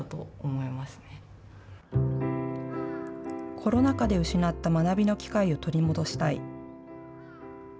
コロナ禍で失った学びの機会を取り戻したい。